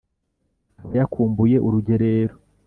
akaba yakumbuye urugerero